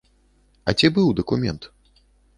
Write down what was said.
А ці быў дакумент?